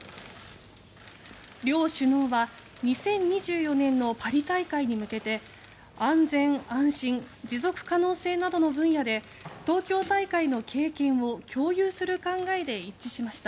両首脳は２０２４年のパリ大会に向け安全・安心持続可能性などの分野で東京大会の経験を共有する考えで一致しました。